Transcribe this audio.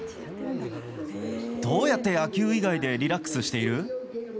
どうやって野球以外でリラックスしている？